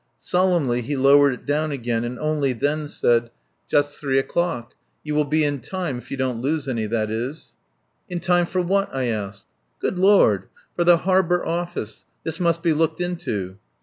Solemnly he lowered it down again and only then said: "Just three o'clock. You will be in time if you don't lose any, that is." "In time for what?" I asked. "Good Lord! For the Harbour Office. This must be looked into."